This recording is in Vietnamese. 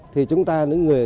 thì chúng ta những người